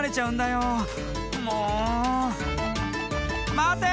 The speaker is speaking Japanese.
まて！